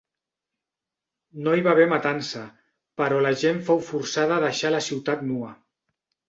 No hi va haver matança però la gent fou forçada a deixar la ciutat nua.